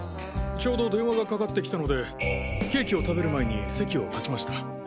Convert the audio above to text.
ちょうど電話がかかってきたのでケーキを食べる前に席を立ちました。